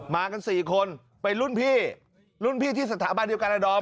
มากัน๔คนเป็นรุ่นพี่รุ่นพี่ที่สถาบันเดียวกันดอม